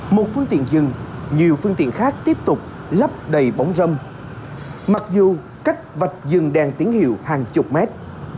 một phương tiện dừng nhiều phương tiện khác tiếp tục lấp đầy bóng râm mặc dù cách vạch dừng đèn tiếng hiệu hàng chục mét